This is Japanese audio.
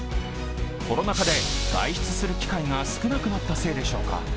コロナ禍で外出する機会が少なくなったからでしょうか。